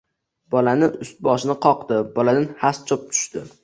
Bolasini ust-boshini qoqdi: boladan xas-cho‘p tushdi.